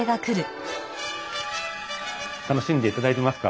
楽しんでいただいてますか？